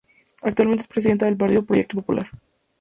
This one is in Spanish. Actualmente es Presidenta del Partido Proyecto Popular.